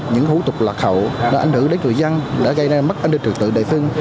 những hữu tục lạc hậu nó ảnh hưởng đến người dân đã gây ra mất an ninh trật tự địa phương